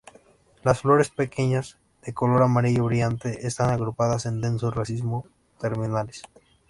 Las flores pequeñas, de color amarillo brillante están agrupadas en densos racimos terminales.